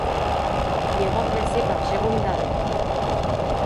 Il est remplacé par Jérôme Daret.